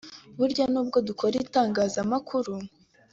Burya n’ubwo dukora itangazamakuru